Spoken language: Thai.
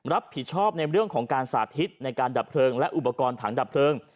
รับผิดชอบในเรื่องของการสาธิตในการดับเพลิงและอุปกรณ์ถังดับเพลิง